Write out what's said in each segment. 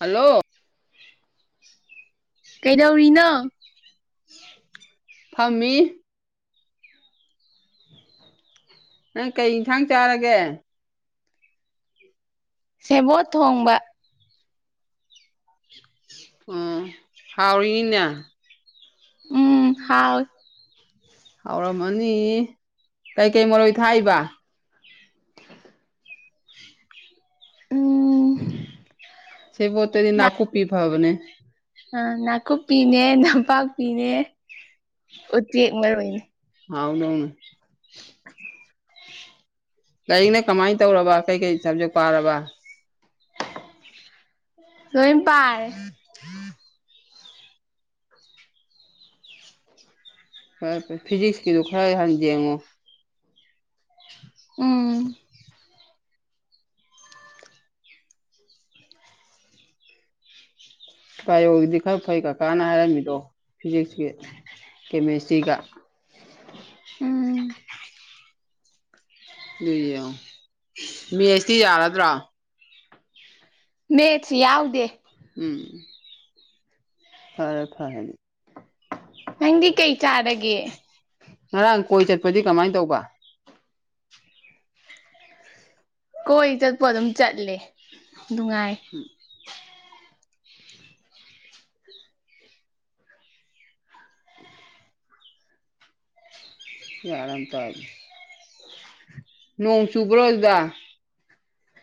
Hello ꯀꯩꯗꯧꯔꯤꯅꯣ ꯐꯝꯃꯤ ꯅꯪ ꯀꯩ ꯏꯟꯁꯥꯡ ꯆꯥꯔꯒꯦ ꯁꯦꯕꯣꯠ ꯊꯣꯡꯕ ꯑꯣ ꯍꯥꯎꯔꯤꯅ ꯎꯝ ꯍꯥꯎꯋꯤ ꯍꯧꯥꯎꯔꯝꯃꯅꯤ ꯀꯩꯀꯩ ꯃꯔꯣꯏ ꯊꯥꯛꯏꯕ ꯑ [unintelligible] ꯁꯤꯕꯨꯠꯇꯗꯤ ꯅꯥꯀꯨ ꯄꯤ ꯐꯕꯅꯦ ꯑ ꯅꯥꯀꯨꯞꯄꯤꯅꯦ ꯅꯝꯄꯥꯛꯄꯤꯅꯦ ꯎꯆꯦꯛ ꯃꯔꯣꯏꯅꯦ ꯑꯧꯅꯧꯅ ꯀꯩꯅꯦ ꯀꯃꯥꯏ ꯇꯧꯔꯕ ꯀꯩꯀꯩ ꯁꯕꯖꯦꯛ ꯄꯥꯔꯕ ꯀꯣꯏꯝ ꯄꯥꯏ ꯐꯦ ꯐꯔꯦ ꯐꯤꯖꯤꯛꯁꯀꯤꯗꯨꯣ ꯈꯔꯍꯥꯟ ꯌꯦꯡꯉꯣ ꯎꯝ ꯕꯥꯏꯑꯣꯣꯗꯤ ꯈꯔ ꯐꯩ ꯀꯀꯥꯅ ꯍꯥꯏꯔꯝꯃꯤꯗꯣ ꯐꯤꯖꯤꯛꯁꯀꯤ ꯀꯦꯃꯦꯁꯇ꯭ꯔꯤꯒ ꯎꯝ ꯏꯌꯦ ꯃꯁꯇꯤ ꯌꯥꯔꯗ꯭ꯔꯥ ꯃꯦꯠꯁ ꯌꯥꯎꯗꯦ ꯎꯝ ꯐꯔꯦ ꯐꯦꯅꯤ ꯅꯪꯗꯤ ꯀꯩ ꯆꯥꯔꯒꯦ ꯉꯔꯥꯡ ꯀꯣꯏ ꯆꯠꯄꯗꯤ ꯀꯃꯥꯏꯅ ꯇꯧꯕ ꯀꯣꯏ ꯆꯠꯄ ꯑꯗꯨꯝ ꯆꯠꯂꯦ ꯅꯨꯡꯉꯥꯏ ꯍꯝ ꯌꯥꯔꯝ ꯇꯦ ꯅꯣꯡ ꯆꯨꯕ꯭ꯔꯣ ꯑꯗꯨꯗꯥ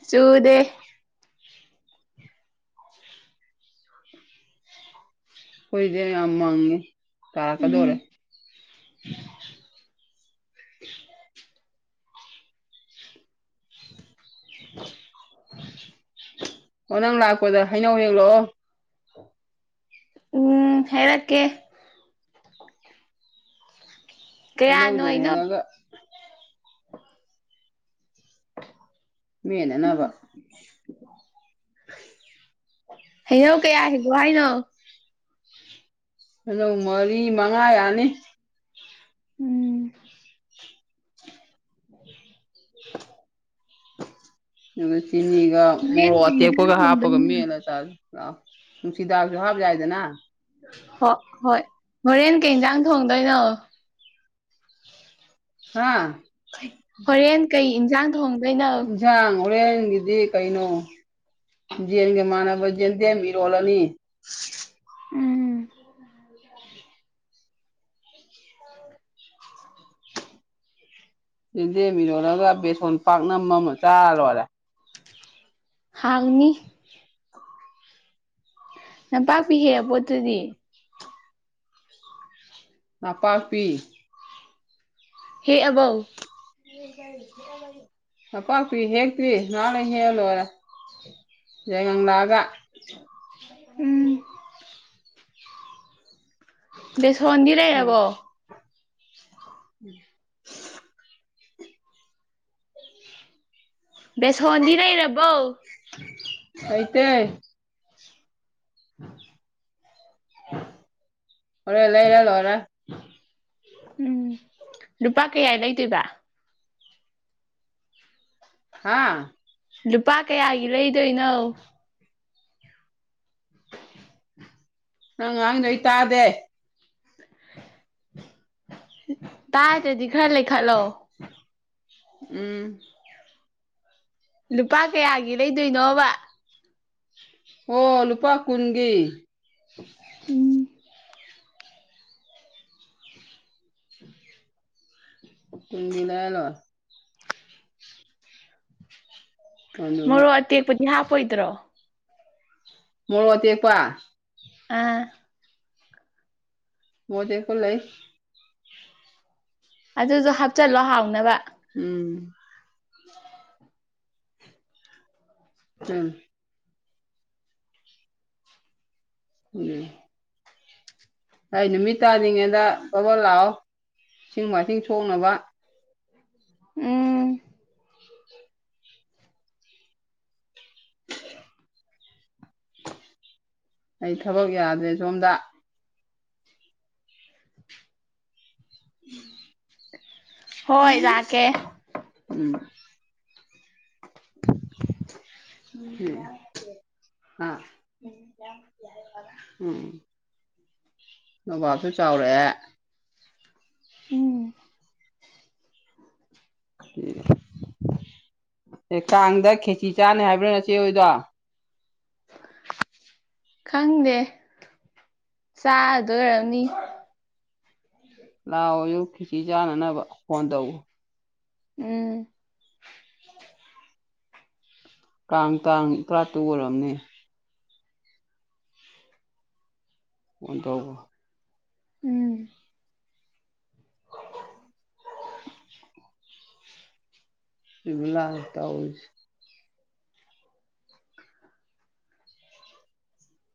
ꯆꯨꯗꯦ ꯎ ꯍꯈꯣꯏꯗꯤꯦ ꯌꯥꯝ ꯃꯪꯉꯦ ꯇꯥꯔꯛꯀꯗꯧꯔꯦ [unintelligible] [unintelligible] ꯑꯣ ꯅꯪ ꯂꯥꯛꯄꯗ ꯍꯩꯅꯧ ꯍꯦꯛꯂꯛꯑꯣ ꯎꯝ ꯍꯔꯛꯀꯦ ꯀꯌꯥꯅꯣ ꯍꯩꯅꯧꯗꯨꯣ ꯍꯩꯅꯧ ꯍꯡꯉꯒ ꯃꯦꯅꯅꯕ [unintelligible] ꯍꯩꯅꯧ ꯀꯌꯥ ꯍꯕꯣ ꯍꯥꯏꯅꯣ ꯑꯂꯣ ꯃꯔꯤ ꯃꯉꯥ ꯌꯥꯅꯤ ꯎꯝ [unintelligible] ꯑꯗꯨꯒ ꯆꯤꯅꯤꯒ ꯍꯣꯔꯦꯟ ꯃꯣꯔꯣꯛ ꯀꯩ ꯏꯟꯖꯥꯡ ꯑꯇꯦꯛꯄꯒ ꯍꯥꯞꯄꯒ ꯊꯣꯡꯗꯣꯏꯅꯣ ꯃꯦꯠꯂ ꯆꯥꯥꯁꯦ ꯑ ꯎꯁꯤꯗꯥꯁꯨ ꯍꯥꯕꯖꯏꯗꯅ ꯍꯣꯏ ꯍꯣꯏ ꯍꯣꯔꯦꯟ ꯀꯩ ꯌꯦꯟꯖꯥꯡ ꯊꯣꯡꯗꯣꯏꯅꯣ ꯍꯥꯥ ꯍꯣꯔꯦꯟ ꯀꯩ ꯏꯟꯖꯥꯡ ꯊꯣꯡꯗꯣꯏꯅꯣ ꯌꯦꯟꯁꯥꯡ ꯍꯣꯔꯦꯟꯒꯤꯗꯤ ꯀꯩꯅꯣ ꯖꯤꯟꯒ ꯃꯥꯅꯕꯖꯦꯟꯗꯦ ꯏꯔꯣꯂꯅꯤ ꯎꯝ ꯎꯝ ꯌꯦꯦꯟꯗꯦꯟ ꯃꯤꯔꯣꯂꯒ ꯕꯦꯁꯣꯟ ꯄꯥꯛꯅꯝ ꯑꯃ ꯑꯃ ꯆꯥꯔꯔꯣꯏꯔꯦ ꯍꯥꯎꯅꯤ ꯅꯝꯄꯥꯛꯄꯤꯍꯦꯕ ꯄꯣꯠꯇꯨꯗꯤ ꯅꯅꯥꯄꯥꯛꯄꯤ ꯍꯦ ꯑꯕꯧ ꯀ ꯀꯥꯏ ꯅꯄꯥꯛꯄꯤ ꯍꯦꯛꯇ꯭ꯔꯤ ꯅꯍꯥꯟꯅ ꯍꯦꯜ ꯂꯣꯏꯔꯦ ꯌꯥꯏꯉ ꯂꯛꯑꯒ ꯎꯝ ꯗꯦꯁꯣꯟꯕꯤꯔꯛꯦꯕꯣ ꯎꯝ ꯕꯦꯁꯣꯟꯗꯤ ꯂꯩꯔꯕꯣ ꯑ ꯇ ꯑꯣꯔ ꯂꯩ ꯂ ꯂ ꯍꯔ ꯎꯝ ꯂꯨꯄꯥ ꯀꯌꯥ ꯂꯩꯗꯣꯏꯕ ꯍꯥꯥ ꯂꯨꯄꯥ ꯀꯌꯥꯒꯤ ꯂꯩꯗꯣꯏꯅꯣ ꯅꯪ ꯉꯥꯡ ꯅꯣꯏ ꯇꯥꯗꯦ ꯇꯥꯏꯗ꯭ꯔꯗꯤ ꯈꯔ ꯂꯩꯈꯠꯂꯣꯑꯣ ꯎꯝ ꯂꯨꯄꯥ ꯀꯌꯥꯒꯤ ꯂꯩꯗꯣꯏꯅꯣꯕ ꯑꯣ ꯂꯨꯄꯥ ꯀꯨꯟꯒꯤ ꯎꯝ ꯎꯝꯅꯅꯣ ꯑꯗꯨꯒ ꯃꯣꯔꯣꯛ ꯑꯇꯦꯛꯄꯗꯤ ꯍꯥꯞꯄꯣꯏꯗ꯭ꯔꯣ ꯃꯣꯔꯇꯀꯋꯥ ꯑ ꯃꯖꯦꯀ ꯂꯩ ꯑꯗꯨꯁꯨ ꯍꯥꯞꯆꯤꯜꯂꯣ ꯍꯥꯎꯅꯕ ꯎꯝ ꯎꯝ ꯎꯝ ꯑꯩ ꯅꯨꯃꯤꯠ ꯇꯥꯗ꯭ꯔꯤꯉꯩꯗ ꯕꯕ ꯂꯥꯛꯑꯣ ꯏꯁꯤꯡ ꯃꯥꯏꯁꯤꯡ ꯁꯣꯛꯅꯕ ꯎꯝ ꯎ ꯑꯩ ꯊꯕꯛ ꯌꯥꯗ꯭ꯔꯦ ꯁꯣꯝꯗ [inaudible] ꯎꯝ ꯍꯣꯏ ꯂꯥꯛꯀꯦ ꯎꯝ ꯑ ꯎꯝ ꯅꯕꯥꯞꯁꯨ ꯆꯥꯎꯔꯛꯑꯦ ꯎꯝ ꯑꯦ ꯀꯥꯡꯗ ꯈꯦꯆꯤ ꯆꯥꯅꯤ ꯍꯥꯏꯕ꯭ꯔꯥ ꯅꯆꯦ ꯍꯣꯏꯗꯣ ꯈꯪꯗꯦ ꯆꯥꯗꯣꯏꯔꯝꯅꯤ ꯂꯥꯛꯑꯣ ꯌꯨ ꯐꯤꯁꯤꯤ ꯆꯥꯅꯅꯕ ꯐꯣꯟ ꯇꯧꯎ ꯎꯝ ꯀꯥꯡ ꯇꯥꯡ ꯇꯔꯥꯇꯨ ꯑꯣꯏꯔꯕꯝꯅꯦ ꯑꯣꯟ ꯇꯧꯕ ꯎꯝ [unintelligible]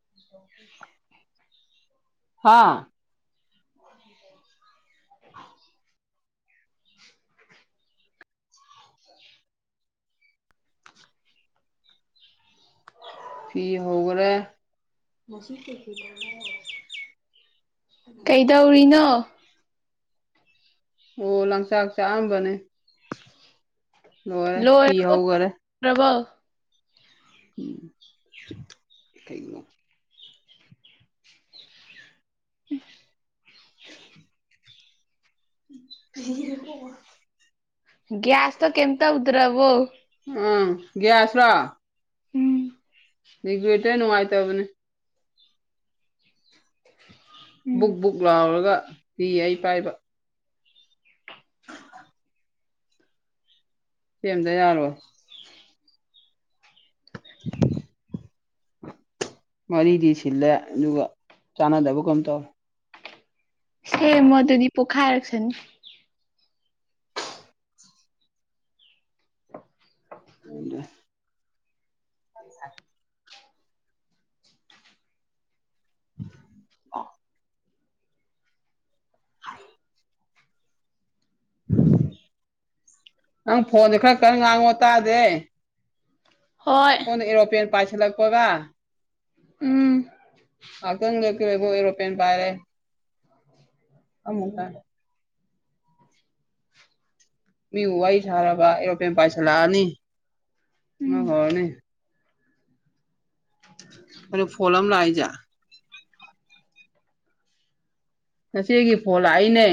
[inaudible] ꯍꯥꯥ [inaudible] [inaudible] [unintelligible] ꯐꯤ ꯍꯧꯒ꯭ꯔꯦ [unintelligible] ꯀꯩꯗꯧꯔꯤꯅꯣ ꯑꯣ ꯂꯪꯆꯥꯛ ꯆꯥꯑꯝꯕꯅꯦ ꯐꯤ ꯍꯧꯈꯔꯦ [unintelligible] ꯎꯝ ꯀꯩꯅꫭ [inaudible] [unintelligible] ꯒꯥꯁ ꯇꯣ ꯀꯩꯝ ꯇꯧꯗꯔꯕꯨ ꯑꯥ ꯎꯝ ꯒ꯭ꯌꯥꯁꯂꯣꯒꯋꯦꯇꯔ ꯅꯨꯡꯉꯥꯏꯇꯕꯅꯦ ꯕꯨꯛ ꯎꯝ ꯕꯨꯛ ꯂꯥꯎꯔꯒ ꯄꯤ ꯑꯩ ꯄꯥꯏꯕ ꯁꯦꯝꯗ ꯌꯥꯔꯣꯏ [inaudible] ꯃꯔꯤꯗꯤ ꯁꯤꯜꯂꯦ ꯑꯗꯨꯒ ꯆꯥꯟꯅꯗꯕ ꯀꯝ ꯇꯧ ꯁꯦ ꯃꯗꯨꯗꯤ ꯄꯣꯛꯈꯥꯏꯔꯛꯁꯅꯤ [inaudible] [unintelligible] [inaudible] ꯍꯥꯏ ꯅꯪ ꯐꯣꯟꯁꯦ ꯈꯔ ꯈꯔ ꯉꯥꯡꯉꯣ ꯇꯥꯗꯦ ꯍꯣꯏ ꯀꯣꯟ [unintelligible] ꯄꯥꯏꯁꯦ ꯂꯛꯄꯒ ꯎꯝ [unintelligible] ꯑꯦꯔꯣꯄ꯭ꯂꯦꯟ ꯄꯥꯏꯔꯦ ꯑꯗꯥ ꯃꯤꯕꯨ ꯋꯥꯔꯤ ꯁꯥꯔꯕ ꯑꯦꯔꯣꯄ ꯄꯥꯏꯁꯜꯂꯛꯑꯅꯤ ꯎꯝ [unintelligible] ꯑꯗꯨ ꯐꯣꯟ ꯑꯃ ꯂꯥꯛꯏꯖꯦ ꯉꯁꯤꯒꯤ ꯐꯣꯟ ꯂꯥꯛꯏꯅꯦ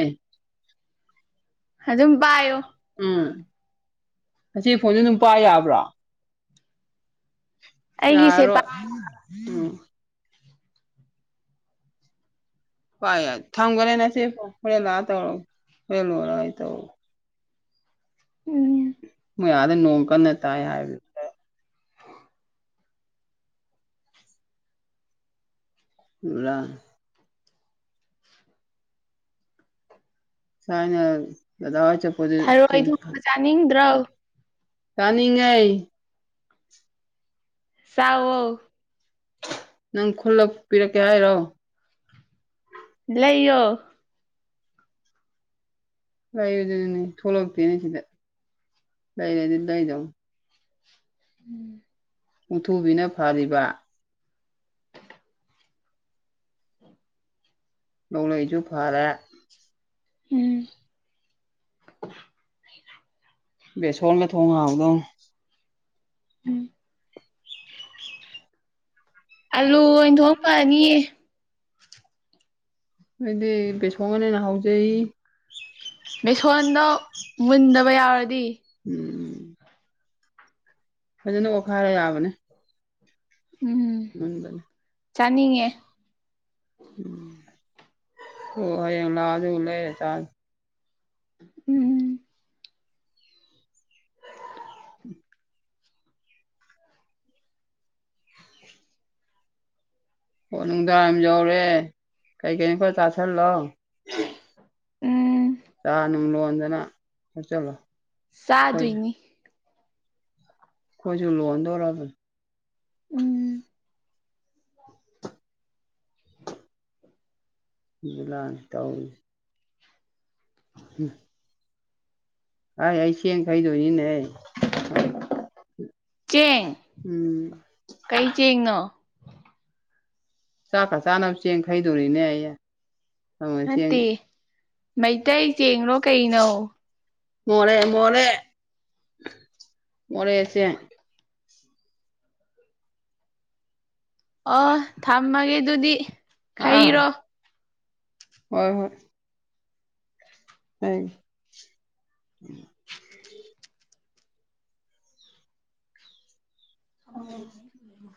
ꯑꯗꯨꯝ ꯄꯥꯏꯌꯣ ꯎꯝ ꯉꯁꯤ ꯐꯣꯟꯁꯦ ꯑꯗꯨꯝ ꯄ ꯌꯥꯕ꯭ꯔꯣ ꯑꯩꯒꯤꯁꯦ ꯌꯥꯔꯣ ꯄꯥꯏ ꯎꯝ [unintelligible] ꯊꯝꯈꯔꯦ ꯅꯆꯦ ꯐꯣꯅ ꯍꯣꯔꯦꯟ ꯂꯥꯛꯑ ꯇꯧꯔꯣ ꯍꯣꯔꯦꯟ ꯂꯣꯏꯔ ꯑꯩ ꯇꯧꯔ ꯎꯝ ꯃꯑꯣꯏ ꯑꯗꯥ ꯅꯣꯡꯀꯟꯅꯥ ꯇꯥꯏ ꯍꯥꯏꯔꯤ [unintelligible] ꯊꯔꯣꯏ ꯊꯣꯡꯕ ꯆꯥꯅꯤꯡꯗ꯭ꯔꯣ [unintelligible] [unintelligible] ꯆꯥꯎꯋꯣ ꯅꯪ ꯈꯨꯜꯂꯛꯄꯤꯔꯛꯀꯦ ꯍꯥꯏꯔꯣ ꯂꯩꯌꯣ ꯂꯥꯏꯗꯤ ꯊꯣꯂꯛꯇ ꯁꯤꯗ ꯂꯥꯏꯔꯗꯤ ꯂꯥꯏꯗꯧ ꯎꯝ ꯎꯨꯡꯊꯨꯕꯤꯅ ꯐꯔꯤꯕ ꯅꯣꯡꯂꯩꯁꯨ ꯐꯔꯦ ꯎꯝ ꯕꯦꯁꯣꯟꯒ ꯊꯣꯡ [unintelligible] ꯎꯝ ꯑꯥꯂꯨ ꯑꯣꯏꯅꯊꯣꯡ ꯐꯅꯤꯌꯦ ꯑꯩꯗꯤ ꯁꯣꯡꯒꯅꯦꯅ ꯍꯥꯎꯖꯩ ꯃꯦꯁꯣꯟꯗ ꯃꯨꯟꯗꯕ ꯌꯥꯔꯗꯤ ꯎꯝ ꯐꯖꯅ ꯑꯣꯠꯈꯥꯏꯔ ꯌꯥꯕꯅꯦ ꯎꯝ ꯎꯟꯕꯅꯤ [unintelligible] ꯆꯥꯅꯤꯡꯉꯦ ꯎꯝ ꯍꯣ ꯍꯌꯦꯡ ꯂꯥꯛꯑꯣ ꯑꯗꯨꯒ ꯂꯩꯔ ꯆꯥ ꯎꯝ ꯍꯣ ꯅꯨꯡꯗꯥꯡꯋꯥꯏꯔꯝ ꯌꯧꯔꯦ ꯀꯩ ꯀꯩꯅꯣ ꯈꯔꯥ ꯆꯥꯁꯤꯜꯂꯣ꯫ ꯎꯝ ꯆꯥ ꯅꯨꯡ ꯂꯣꯟꯗꯅ ꯊꯛꯆꯤꯜꯂꯣ ꯆꯥꯗꯨꯏꯅꯤ ꯈꯣꯏꯁꯨ ꯂꯣꯟꯗꯣꯔꯕꯅꯤ ꯎꯝ [unintelligible] ꯇꯧꯔꯤꯁꯦ ꯎꯝ ꯑꯥꯏ ꯑꯩ ꯆꯦꯡ ꯈꯩꯗꯣꯏꯅꯤꯅꯦ ꯆꯦꯡ ꯎꯝ ꯀꯩ ꯆꯦꯡꯅꯣ ꯆꯥꯛꯀ ꯆꯥꯅꯕ ꯆꯦꯡ ꯈꯩꯗꯣꯔꯤꯅꯦ ꯑꯩꯌꯦ ꯅꯠꯇꯦ ꯃꯩꯇꯩ ꯆꯦꯡꯂꯣ ꯀꯩꯅꯣ ꯃꯣꯔꯦ ꯃꯣꯔꯦ ꯃꯣꯔꯦ ꯆꯦꯡ ꯑꯣ ꯊꯝꯃꯒꯦ ꯑꯗꯨꯗꯤ ꯑꯥ ꯈꯩꯔꯣ ꯍꯣꯏ ꯍꯣꯏ [unintelligible] ꯊꯝꯃꯣ ꯀꯃꯥꯏ ꯊꯝꯗꯣꯏꯅꯣ